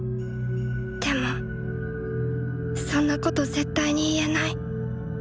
でもそんなこと絶対に言えない。